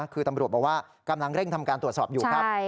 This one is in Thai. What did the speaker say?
คือตำรวจบอกว่ากำลังเร่งทำการตรวจสอบอยู่ครับ